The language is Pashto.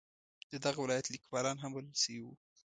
د دغه ولایت لیکوالان هم بلل شوي وو.